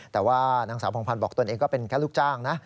แต่ว่านางสาวผ่องพันธ์บอกตนเองก็เป็นแค่ลูกจ้างนะ